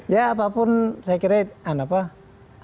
ya apapun saya kira hasil yang cukup membuat